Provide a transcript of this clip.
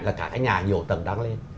là cả cái nhà nhiều tầng tăng lên